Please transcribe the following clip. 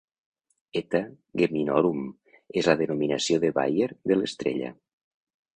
"Eta Geminorum" és la denominació de Bayer de l'estrella.